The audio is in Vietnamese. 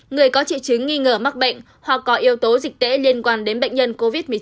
người có triệu chứng nghi ngờ mắc bệnh hoặc có yếu tố dịch tễ liên quan đến bệnh nhân covid một mươi chín